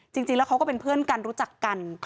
จริงแล้วเขาก็เป็นเพื่อนกันรู้จักกัน